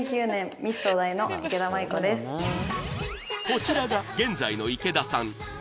こちらが現在の池田さん